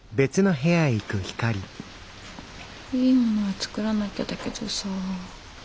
いいものは作らなきゃだけどさあ。